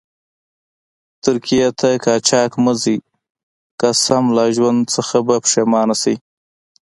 ترکيې ته قاچاق مه ځئ، قسم لا ژوند څخه به پیښمانه شئ.